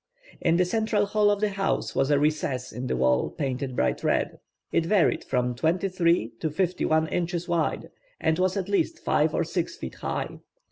In the central hall of the house was a recess in the wall painted bright red. It varied from twenty three to fifty one inches wide, and was at least five or six feet high.